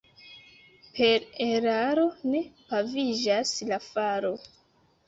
Per eraro ne praviĝas la faro.